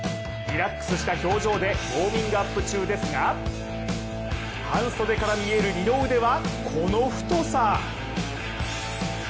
リラックスした表情でウォーミングアップ中ですが、半袖から見える二の腕はこの太さ。